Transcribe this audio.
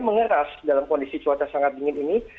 mengeras dalam kondisi cuaca sangat dingin ini